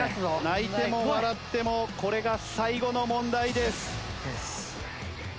泣いても笑ってもこれが最後の問題です。